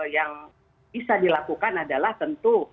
yang bisa dilakukan adalah tentu